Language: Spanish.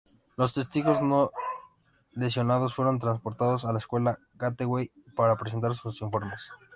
Los testigos no lesionados fueron transportados a la Escuela Gateway para presentar sus informes.